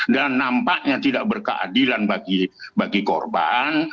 dan nampaknya tidak berkeadilan bagi korban